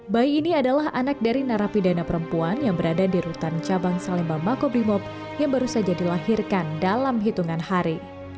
bayi ini adalah anak dari narapidana perempuan yang berada di rutan cabang salemba makobrimob yang baru saja dilahirkan dalam hitungan hari